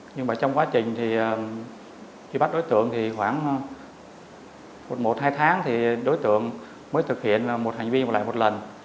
nhưng mà trong quá trình thì truy bắt đối tượng thì khoảng một hai tháng thì đối tượng mới thực hiện một hành vi một lại một lần